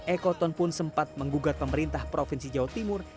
ekoton pun sempat menggugat pemerintah provinsi jawa timur